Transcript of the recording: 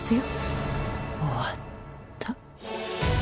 終わった。